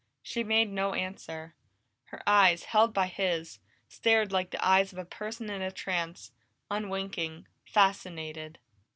She made no answer; her eyes, held by his, stared like the eyes of a person in a trance, unwinking, fascinated.